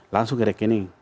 langsung ke rekening